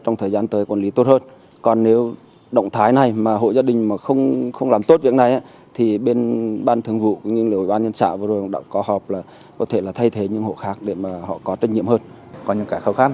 nhưng liên quan nhân trạng vừa rồi đọc có họp là có thể thay thế những hộ khác để họ có trách nhiệm hơn